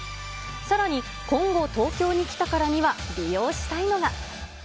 さらに今後、東京に来たからには利用したいのが。